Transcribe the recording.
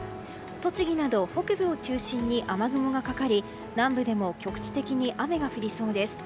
栃木など北部を中心に雨雲がかかり南部でも局地的に雨が降りそうです。